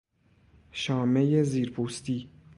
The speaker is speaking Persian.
شامهی زیر پوستی